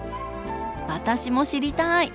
私も知りたい！